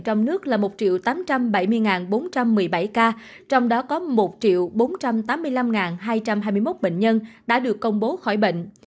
trong nước là một tám trăm bảy mươi bốn trăm một mươi bảy ca trong đó có một bốn trăm tám mươi năm hai trăm hai mươi một bệnh nhân đã được công bố khỏi bệnh